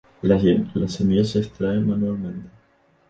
La semilla se extrae manualmente.